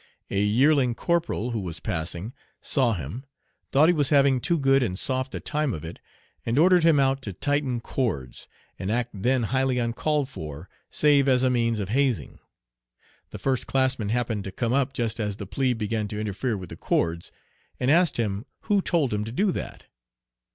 A yearling corporal, who was passing, saw him, thought he was having too good and soft a time of it, and ordered him out to tighten cords, an act then highly uncalled for, save as a means of hazing. The first classman happened to come up just as the plebe began to interfere with the cords, and asked him who told him to do that.